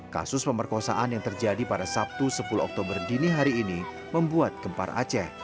kasus pemerkosaan yang terjadi pada sabtu sepuluh oktober dini hari ini membuat gempar aceh